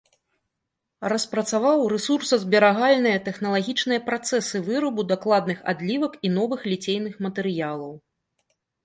Распрацаваў рэсурсазберагальныя тэхналагічныя працэсы вырабу дакладных адлівак і новых ліцейных матэрыялаў.